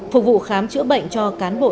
phục vụ khám chữa bệnh cho cán bộ y bác sĩ